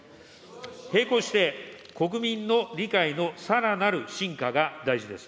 並行して、国民の理解のさらなる深化が大事です。